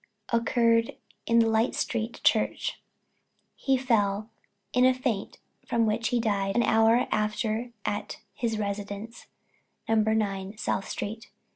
occurred in Light street Church; he fell in a faint from which he died an hour after at his residence, No. 9 South street.